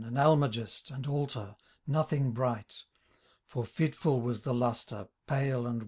And almagest, and altar, nothing bright : For fitful was the lustre, pale and wan.